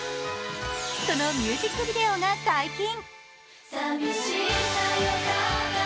そのミュージックビデオが解禁。